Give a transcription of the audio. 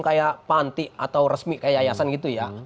kayak panti atau resmi kayak yayasan gitu ya